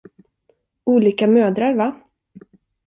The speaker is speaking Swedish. Olika mödrar, va?